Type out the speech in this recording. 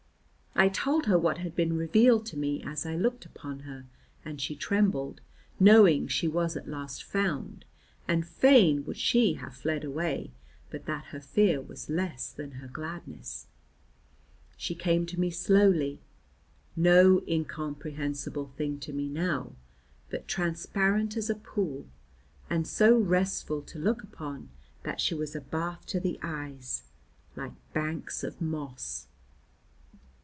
I told her what had been revealed to me as I looked upon her, and she trembled, knowing she was at last found, and fain would she have fled away, but that her fear was less than her gladness. She came to me slowly; no incomprehensible thing to me now, but transparent as a pool, and so restful to look upon that she was a bath to the eyes, like banks of moss.